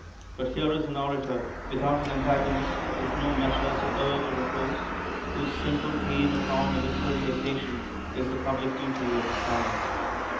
But here is an orator without an antagonist, with no measure to urge or oppose, whose simple theme upon a literary occasion is the public duty of the scholar.